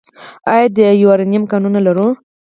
آیا د یورانیم کانونه لرو؟